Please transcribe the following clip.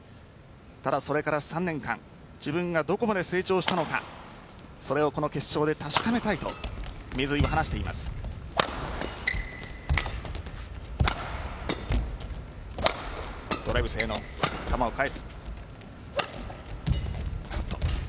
ただ、それから３年間自分がどこまで成長したのかそれをこの決勝で確かめたいと水井は話しています。